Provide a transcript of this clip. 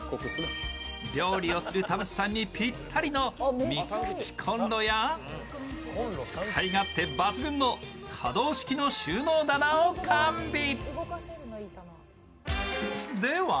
料理をする田渕さんにぴったりの３口こんろや使い勝手抜群の可動式収納棚を完備。